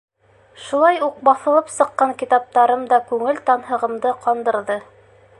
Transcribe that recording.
Шулай уҡ баҫылып сыҡҡан китаптарым да күңел танһығымды ҡандырҙы.